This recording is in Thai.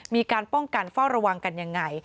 มีการป้องกันเฝ้าระวังกันยังไง